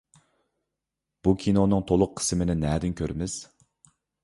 بۇ كىنونىڭ تولۇق قىسمىنى نەدىن كۆرىمىز؟